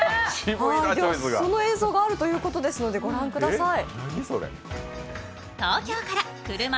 その映像があるということで御覧ください。